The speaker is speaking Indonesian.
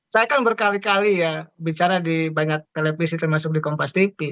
saya kan berkali kali ya bicara di banyak televisi termasuk di kompas tv